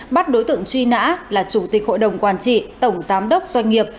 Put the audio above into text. bắt đối tượng truy nã là chủ tịch hội đồng quản trị tổng giám đốc doanh nghiệp